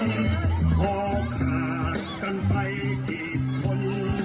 เสียใจกันไปกี่ขั้น